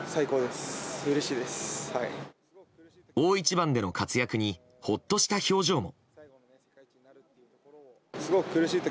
大一番での活躍にほっとした表情も。